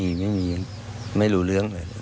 มีไม่มีไม่รู้เรื่องเลย